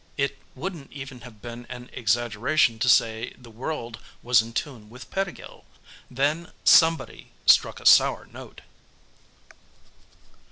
It wouldn't even have been an exaggeration to say the world was in tune with Pettigill. Then somebody struck a sour note....